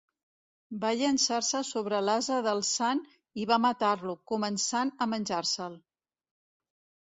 Va llençar-se sobre l'ase del sant i va matar-lo, començant a menjar-se'l.